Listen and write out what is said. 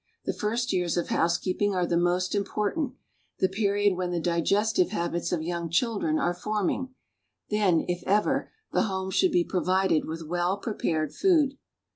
The first years of housekeeping are the most impor tant, the period when the digestive habits of young children are forming: then, if e\ er, the home should be provided with well prepared food.